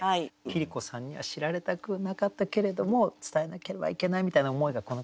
桐子さんには知られたくなかったけれども伝えなければいけないみたいな思いがこの句になったんでしょうかね。